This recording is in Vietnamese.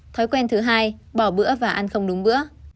thói quen thứ hai bỏ bữa và ăn không đúng bữa